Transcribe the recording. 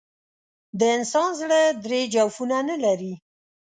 د انسان زړه درې جوفونه نه لري.